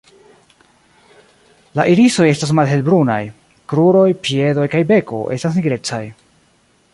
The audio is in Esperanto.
La irisoj estas malhelbrunaj; kruroj, piedoj kaj beko estas nigrecaj.